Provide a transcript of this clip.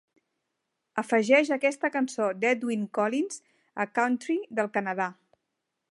Afegeix aquesta cançó d'Edwyn Collins a Country del Canadà.